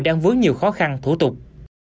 đang vướng nhiều khó khăn thủ tục